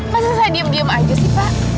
masa saya diem diem aja sih pak